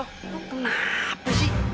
lo kenapa sih